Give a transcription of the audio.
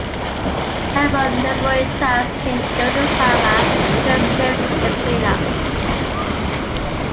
Help from neighboring towns came during the summer to assist with the clean-up.